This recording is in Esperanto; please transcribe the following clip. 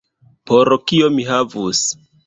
Por kio mi havus?